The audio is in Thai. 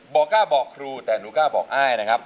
บอกกล้าบอกครูแต่หนูกล้าก็บอกไอนะครับ